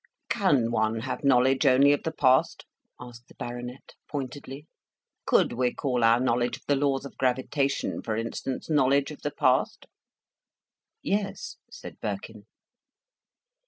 "Can one have knowledge only of the past?" asked the Baronet, pointedly. "Could we call our knowledge of the laws of gravitation for instance, knowledge of the past?" "Yes," said Birkin.